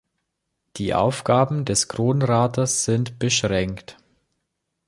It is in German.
Die Aufgaben des Kronrates sind beschränkt.